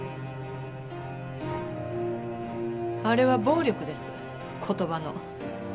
あれは暴力です言葉の。